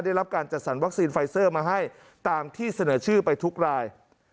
ได้รับการจัดสรรวัคซีนไฟเซอร์มาให้ตามที่เสนอชื่อไปทุกราย